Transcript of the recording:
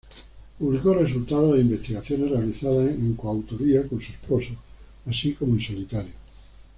Publicó resultados de investigaciones realizadas en coautoría con su esposo, así como en solitario.